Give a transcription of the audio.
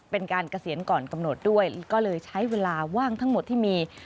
เกษียณก่อนกำหนดด้วยก็เลยใช้เวลาว่างทั้งหมดที่มี